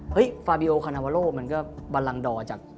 เฮ้ยฟาบิโอคอนาวาโลมันก็บัลลังดอจาก